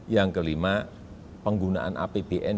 yang kelima penggunaan apbn